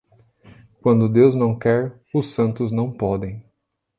Quando Deus não quer, os santos não podem.